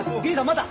また。